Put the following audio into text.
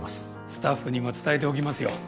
スタッフにも伝えておきますよ